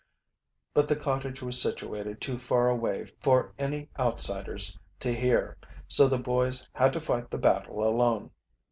But the cottage was situated too far away for any outsiders to hear, so the boys had to fight the battle alone.